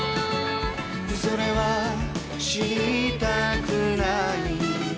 「それは知りたくない」